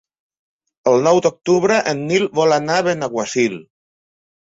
El nou d'octubre en Nil vol anar a Benaguasil.